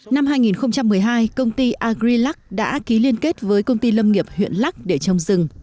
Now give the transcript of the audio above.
năm hai nghìn một mươi hai công ty agrilac đã ký liên kết với công ty lâm nghiệp huyện lắc để trồng rừng